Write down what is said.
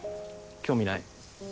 興味ない？